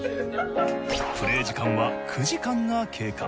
プレイ時間は９時間が経過。